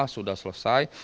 satu dua sudah selesai